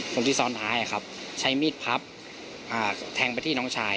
คนที่ซ้อนท้ายใช้มีดพับแทงไปที่น้องชาย